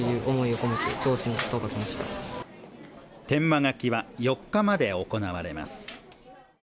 天満書は４日まで行われます。